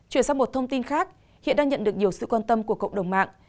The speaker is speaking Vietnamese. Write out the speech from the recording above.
chuyển sang một thông tin khác hiện đang nhận được nhiều sự quan tâm của cộng đồng mạng